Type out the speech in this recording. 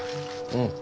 うん。